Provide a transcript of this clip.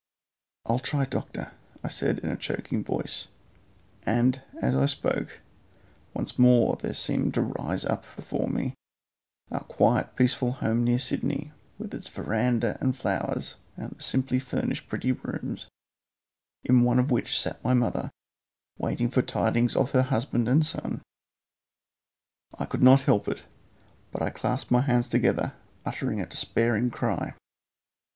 "I'll try, doctor," I said in a choking voice; and as I spoke, once more there seemed to rise up before me our quiet peaceful home near Sydney, with its verandah and flowers and the simply furnished pretty rooms, in one of which sat my mother, waiting for tidings of her husband and son. I could not help it, but clasped my hands together uttering a despairing cry.